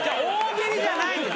大喜利じゃない。